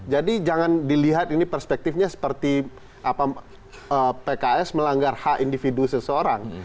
jangan dilihat ini perspektifnya seperti pks melanggar hak individu seseorang